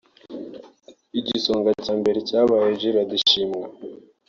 Igisonga cya mbere cyabaye Guelda Shimwa